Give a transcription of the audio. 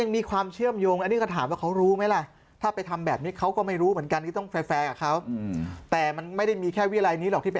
อันนี้ก็จริงนั่นแหละเหมือนที่เขาบอก